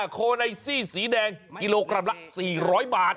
โคไนซี่สีแดงกิโลกรัมละ๔๐๐บาท